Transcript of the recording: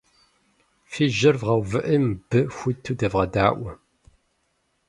Фи жьэр вгъэувыӏи мыбы хуиту девгъэдаӏуэ.